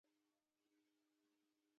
پانګوال د ورځې پنځوس افغانۍ مزد ورکوي